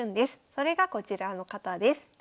それがこちらの方です。